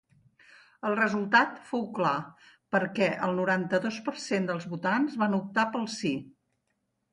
El resultat fou clar, perquè el noranta-dos per cent dels votants van optar pel sí.